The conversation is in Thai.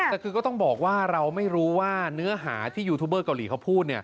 แต่คือก็ต้องบอกว่าเราไม่รู้ว่าเนื้อหาที่ยูทูบเบอร์เกาหลีเขาพูด